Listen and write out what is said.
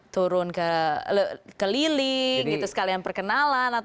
turun keliling gitu sekalian perkenalan